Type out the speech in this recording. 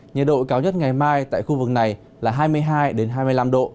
nhiệt độ cao nhất ngày mai tại khu vực này là hai mươi hai hai mươi năm độ